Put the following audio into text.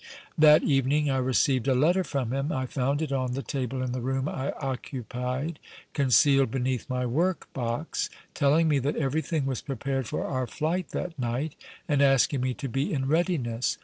That evening I received a letter from him I found it on the table in the room I occupied, concealed beneath my work box telling me that everything was prepared for our flight that night, and asking me to be in readiness.